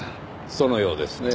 そのようですね。